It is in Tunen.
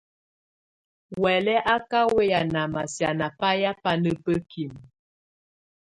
Huɛ̀lɛ á ká wɛyá námásɛ̀á ná bayɛ́ bána bǝ́kimǝ.